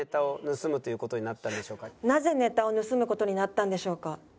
なぜネタを盗む事になったんでしょうか？